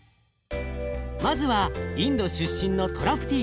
まずはインド出身のトラプティから。